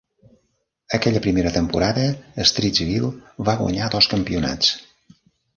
Aquella primera temporada Streetsville va guanyar dos campionats.